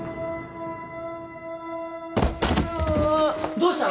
どうしたの？